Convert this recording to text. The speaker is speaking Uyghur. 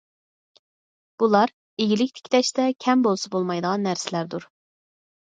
بۇلار ئىگىلىك تىكلەشتە كەم بولسا بولمايدىغان نەرسىلەردۇر.